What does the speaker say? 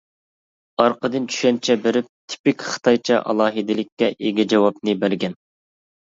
ئارقىدىن چۈشەنچە بېرىپ تېپىك خىتايچە ئالاھىدىلىككە ئىگە جاۋابنى بەرگەن.